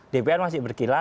dpr masih berkila